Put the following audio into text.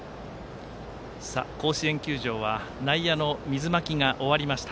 甲子園球場は内野の水まきが終わりました。